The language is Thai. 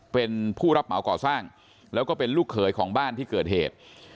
เป็นผู้รับเหมาก่อสร้างแล้วก็เป็นลูกเขยของบ้านที่เกิดเหตุ